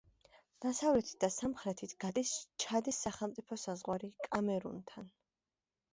დასავლეთით და სამხრეთით გადის ჩადის სახელმწიფო საზღვარი კამერუნთან.